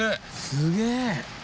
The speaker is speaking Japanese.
すげえ。